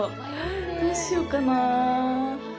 どうしようかなあ。